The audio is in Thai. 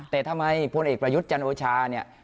แต่ทำไมพลเอกประยุทธ์จันโอชาเนี่ย